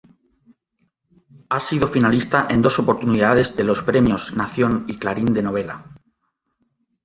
Ha sido finalista en dos oportunidades de los premios Nación y Clarín de Novela.